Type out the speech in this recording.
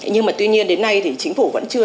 nhưng mà tuy nhiên đến nay thì chính phủ vẫn chưa